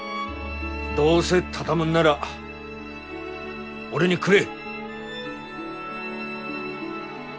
どうせ畳むんなら俺にくれ！